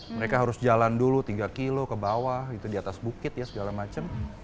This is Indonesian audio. mereka harus jalan dulu tiga kilo ke bawah gitu di atas bukit ya segala macam